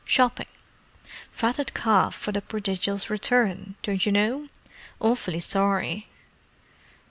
Shopping. Fatted calf for the prodigal's return, don't you know. Awfully sorry."